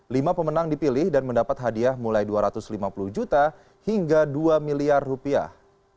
lima pemenang dipilih dan mendapat hadiah mulai dua ratus lima puluh juta hingga dua miliar rupiah